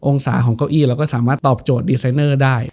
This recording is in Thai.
องศาของเก้าอี้เราก็สามารถตอบโจทย์ดีไซเนอร์ได้